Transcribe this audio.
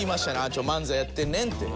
ちょっと漫才やってんねんって。